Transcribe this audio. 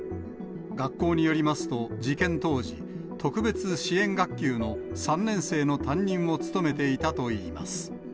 学校によりますと、事件当時、特別支援学級の３年生の担任を務めていたといいます。